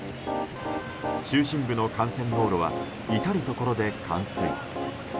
中心部の幹線道路は至るところで冠水。